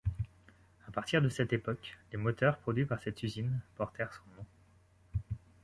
À partir de cette époque, les moteurs produits par cette usine portèrent son nom.